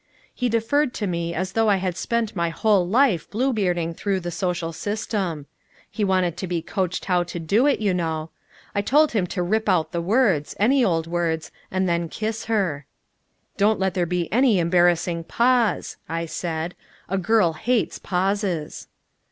He deferred to me as though I had spent my whole life Bluebearding through the social system. He wanted to be coached how to do it, you know. I told him to rip out the words any old words and then kiss her. "Don't let there be any embarrassing pause," I said. "A girl hates pauses."